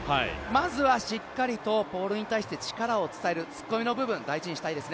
まずはしっかりとポールに対して力を伝える、突っ込みの部分、大事にしたいです。